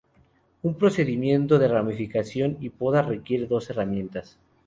Un procedimiento de ramificación y poda requiere dos herramientas.